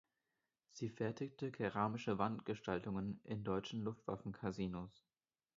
Sie fertigte keramische Wandgestaltungen in deutschen Luftwaffencasinos.